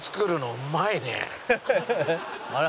「あれ？